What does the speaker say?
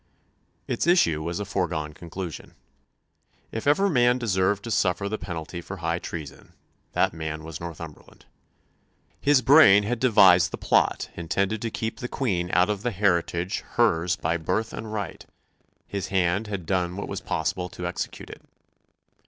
Its issue was a foregone conclusion. If ever man deserved to suffer the penalty for high treason, that man was Northumberland. His brain had devised the plot intended to keep the Queen out of the heritage hers by birth and right; his hand had done what was possible to execute it.